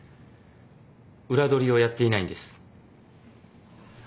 裏取りをやっていないんです。